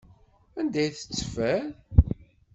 Anda ay tt-teffer?